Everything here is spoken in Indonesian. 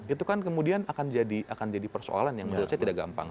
itu kan kemudian akan jadi persoalan yang menurut saya tidak gampang